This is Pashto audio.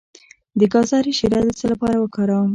د ګازرې شیره د څه لپاره وکاروم؟